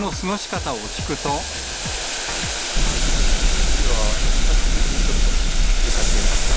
３連休は、久しぶりにちょっと出かけました。